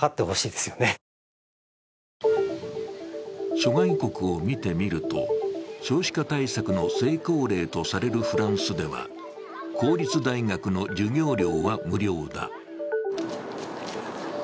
諸外国を見てみると、少子化対策の成功例とされるフランスでは公立大学の授業料は無料だ。